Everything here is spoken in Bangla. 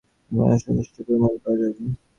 এখানে যথেষ্ট পরিমাণ পাওয়া যাবে?